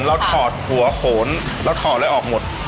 เราถอดหัวโขนเราถอดแล้วออกหมด